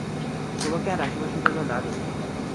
তোমাকে আর আশেপাশে যেন না দেখি।